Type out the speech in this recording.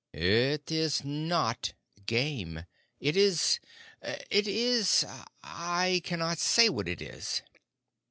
"It is not game. It is it is I cannot say what it is."